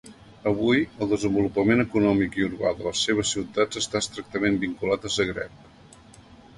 Avui, el desenvolupament econòmic i urbà de les seves ciutats està estretament vinculat a Zagreb.